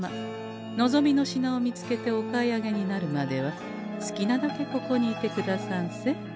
望みの品を見つけてお買い上げになるまでは好きなだけここにいてくださんせ。